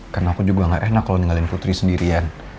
karena aku juga gak enak kalau ninggalin putri sendirian